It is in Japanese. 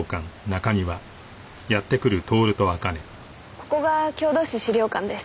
ここが郷土史資料館です。